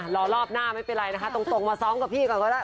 รอบหน้าไม่เป็นไรนะคะตรงมาซ้อมกับพี่ก่อนก็ได้